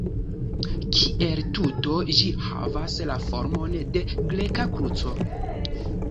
Kiel tuto ĝi havas la formon de greka kruco.